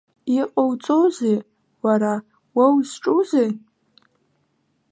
Иҟоуҵозеи, уара, уа узҿузеи?